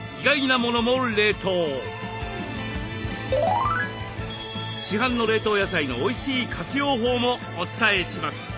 市販の冷凍野菜のおいしい活用法もお伝えします。